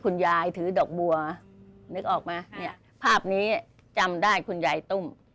คุณยายถือดอกบัวนึกออกไหมเนี่ยภาพนี้จำได้คุณยายตุ้ม